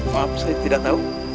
maaf saya tidak tahu